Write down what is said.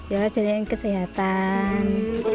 ya jadinya kesehatan